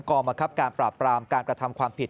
กรรมคับการปราบปรามการกระทำความผิด